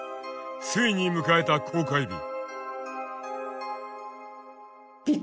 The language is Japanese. ついに迎えた公開日。